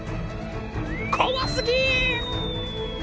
怖すぎ！